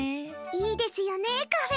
いいですよねー、カフェ。